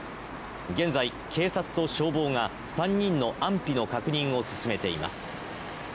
現在、警察と消防が３人の安否の確認を進めています。